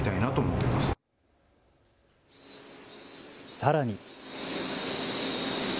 さらに。